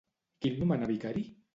Qui el nomenà vicari?